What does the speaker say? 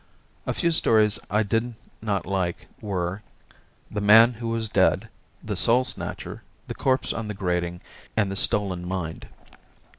A few stories I did not like were: "The Man Who Was Dead," "The Soul Snatcher," "The Corpse on the Grating" and "The Stolen Mind."